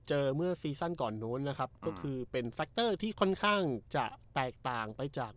เจอเมื่อซีสันก่อนโน้นนะครับก็คือเป็นที่ค่อนข้างจะแตกต่างไปจาก